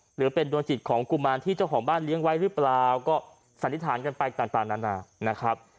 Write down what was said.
หรือเป็นดวงจิตของกุมารที่เจ้าของบ้านเลี้ยงไว้หรือเปล่าก็สันนิษฐานกันไปต่างนานานะครับ